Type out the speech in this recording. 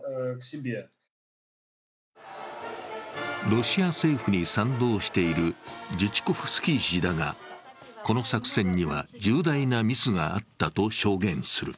ロシア政府に賛同しているジュチコフスキー氏だが、この作戦には重大なミスがあったと証言する。